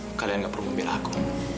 ma kalian gak perlu memilah aku